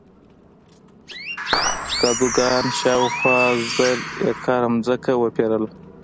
کادوګان شاوخوا زر ایکره ځمکه وپېرله.